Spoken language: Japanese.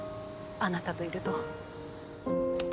あなたといると。